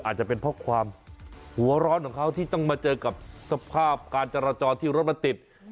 อาจจะเป็นเพราะความหัวร้อนของเขาที่ต้องมาเจอกับสภาพการจราจรที่รถมันติด